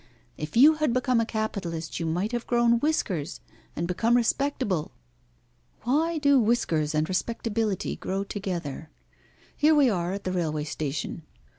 If you had become a capitalist you might have grown whiskers and become respectable. Why do whiskers and respectability grow together? Here we are at the railway station.